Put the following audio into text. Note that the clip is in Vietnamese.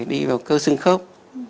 đi vào cơ sương khớp